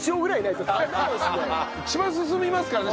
一番進みますからね